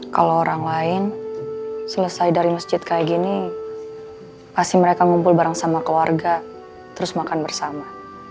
kalau orang lain selesai dari masjid kayak gini pasti mereka ngumpul bareng sama keluarga terus makan bersama